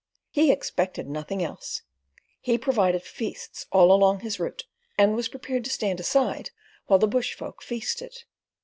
He expected nothing else. He provided feasts all along his route, and was prepared to stand aside while the bush folk feasted.